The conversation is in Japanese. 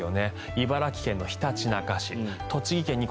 茨城県のひたちなか市栃木県の日光